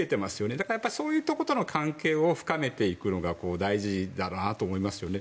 だからそういうところとの関係を深めていくのが大事だなと思いますね。